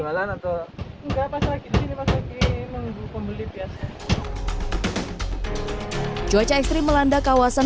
jualan atau enggak pas lagi ini pas lagi mengunduh pembeli biasa cuaca ekstrim melanda kawasan